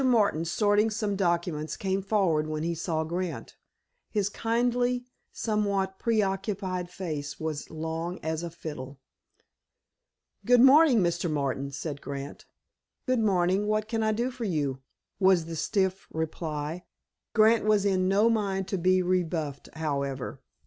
Martin, sorting some documents, came forward when he saw Grant. His kindly, somewhat pre occupied face was long as a fiddle. "Good morning, Mr. Martin," said Grant. "Good morning. What can I do for you?" was the stiff reply. Grant was in no mind to be rebuffed, however.